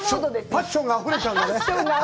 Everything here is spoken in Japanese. パッションがあふれちゃうんだね？